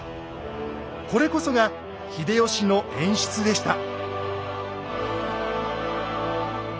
これこそが秀吉の演出でした。